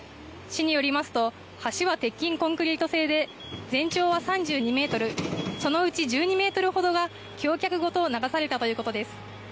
市によりますと橋は鉄筋コンクリート製で全長は３２ｍそのうち１２ｍほどが橋脚ごと流されたということです。